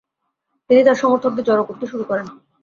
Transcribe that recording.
তিনি তার সমর্থকদের জড়ো করতে শুরু করেন।